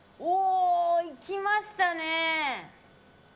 いきましたね。